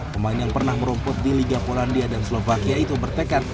pemain yang pernah merumput di liga polandia dan slovakia itu bertekad